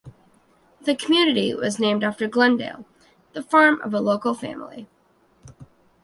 The community was named after Glendale, the farm of a local family.